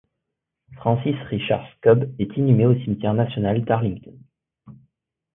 Francis Richard Scobbe est inhumé au cimetière national d'Arlington.